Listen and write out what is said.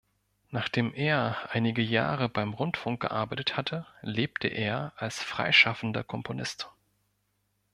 Nachdem er einige Jahre beim Rundfunk gearbeitet hatte, lebte er als freischaffender Komponist.